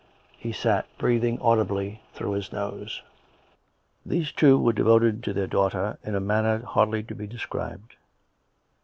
He sat, breathing audibly through his nose. These two were devoted to their daughter in a manner hardly to be described.